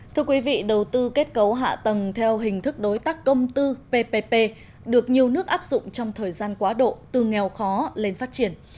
thưa quý vị đầu tư kết cấu hạ tầng theo hình thức đối tác công tư ppp được nhiều nước áp dụng trong thời gian quá độ từ nghèo khó lên phát triển